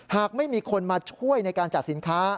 หากไม่มีคนมาช่วยในการจัดสินค้า